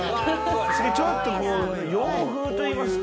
ちょっとこう洋風といいますか。